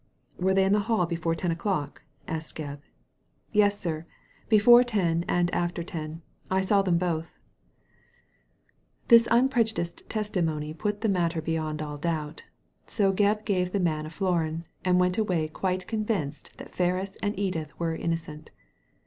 •* Were they in the hall before ten o'clock ?" asked Gebb. Yes, sir. Before ten and after ten. I saw them both.". Digitized by Google WHAT MRS. PRESK FOUND 191 This unprejudiced testimony put the ofiatter beyond all doubt So Gebb gave the man a florin, and went away quite convinced that Ferris and Edith were innocent.